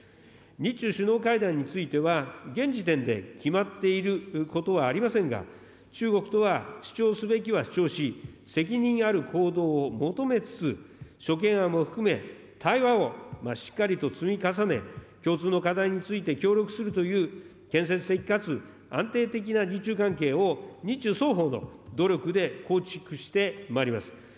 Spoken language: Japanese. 日中首脳会談については、現時点で決まっていることはありませんが、中国とは主張すべきは主張し、責任ある行動を求めつつ、諸懸案も含め、対話をしっかりと積み重ね、共通の課題について協力するという、建設的かつ安定的な日中関係を、日中双方の努力で構築してまいります。